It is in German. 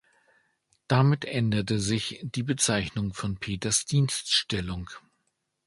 Damit änderte sich die Bezeichnung von Peters’ Dienststellung.